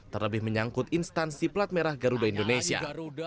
terlebih menyangkut instansi pelat merah garuda indonesia